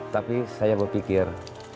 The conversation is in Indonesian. tapi saya berpikir